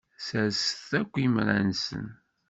Sserset akk imra-nsen.